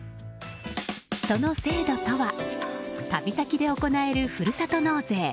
その制度とは旅先で行えるふるさと納税